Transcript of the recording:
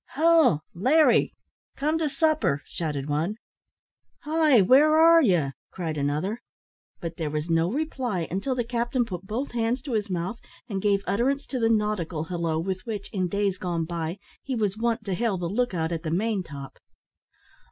"Ho! Larry, come to supper!" shouted one. "Hi! where are you?" cried another. But there was no reply, until the captain put both hands to his mouth, and gave utterance to the nautical halloo with which, in days gone by, he was wont to hail the look out at the main top.